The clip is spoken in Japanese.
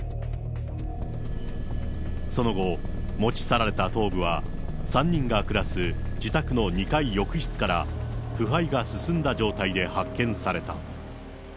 その後、持ち去られた頭部は、３人が暮らす自宅の２階浴室から、腐敗が進んだ状態で発見された。